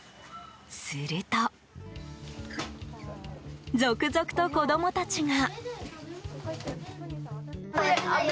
すると、続々と子供たちが。